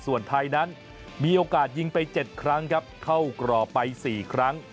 ส่วนไทยนั้นมีโอกาสยิงไป๗ครั้งครับเข้ากรอบไป๔ครั้ง